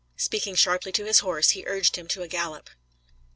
Speaking sharply to his horse, he urged him into a gallop.